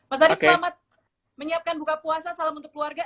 mas arief selamat menyiapkan buka puasa salam untuk keluarga